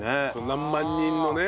何万人のね。